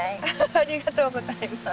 ありがとうございます。